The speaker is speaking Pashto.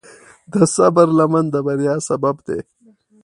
د صبر لمن د بریا سبب دی.